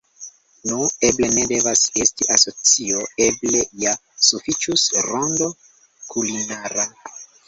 Nu, eble ne devas esti asocio; eble ja sufiĉus “Rondo Kulinara.